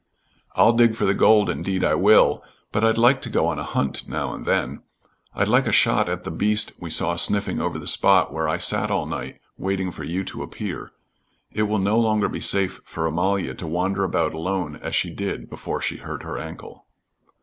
"I'll dig for the gold, indeed I will, but I'd like to go on a hunt now and then. I'd like a shot at the beast we saw sniffing over the spot where I sat all night waiting for you to appear. It will no longer be safe for Amalia to wander about alone as she did before she hurt her ankle."